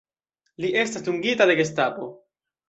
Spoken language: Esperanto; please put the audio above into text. Li estas dungita de Gestapo.